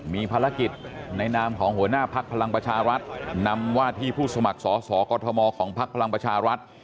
มีภารกิจในนามของหัวหน้าภักดิ์พลังประชารัฐนำว่าที่ผู้สมัครสอสอกอทมของพักพลังประชารัฐ